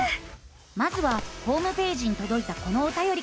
まずはホームページにとどいたこのおたよりから。